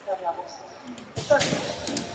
Hojas alternas, escasas las caulinares.